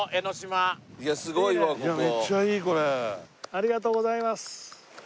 ありがとうございます。